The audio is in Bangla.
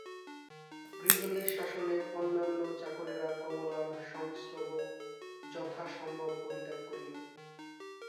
গৃহিণীর শাসনে অন্যান্য চাকরেরা কমলার সংস্রব যথাসম্ভব পরিত্যাগ করিল।